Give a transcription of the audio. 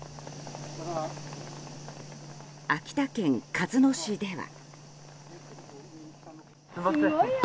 秋田県鹿角市では。